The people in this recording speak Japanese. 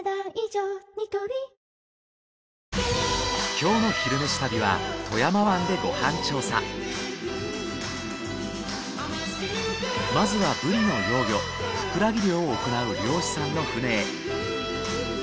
今日の「昼めし旅」はまずはブリの幼魚フクラギ漁を行う漁師さんの船へ。